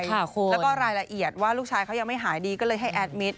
แล้วก็รายละเอียดว่าลูกชายเขายังไม่หายดีก็เลยให้แอดมิตร